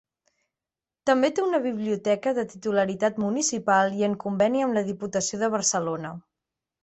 També té una biblioteca de titularitat municipal i en conveni amb la Diputació de Barcelona.